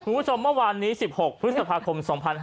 คุณผู้ชมวันนี้๑๖พฤษภาคม๒๕๖๔